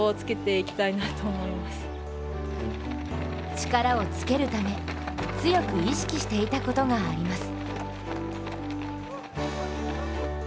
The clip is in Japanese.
力をつけるため強く意識していたことがあります。